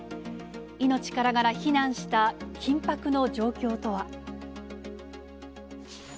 命からがら避難した緊迫の状況とは。